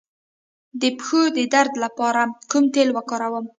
د پښو د درد لپاره کوم تېل وکاروم؟